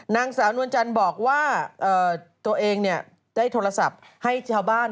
นางสาวนวลจันทร์บอกว่าตัวเองได้โทรศัพท์ให้ชาวบ้าน